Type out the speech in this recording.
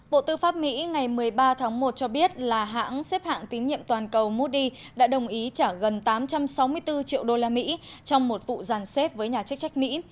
bộ tư pháp mỹ ngày một mươi ba tháng một cho biết là hãng xếp hạng tín nhiệm toàn cầu moody đã đồng ý trả gần tám trăm sáu mươi bốn triệu đô la mỹ trong một vụ giàn xếp với nhà chức trách mỹ